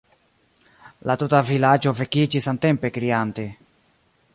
La tuta vilaĝo vekiĝis samtempe, kriante.